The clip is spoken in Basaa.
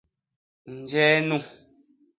Njee nu?